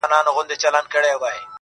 ياد مي دي تا چي شنه سهار كي ويل.